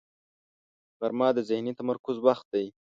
غرمه د ذهني تمرکز وخت دی